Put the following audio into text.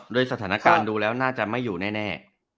โดยสถานการณ์ดูแล้วน่าจะไม่อยู่แน่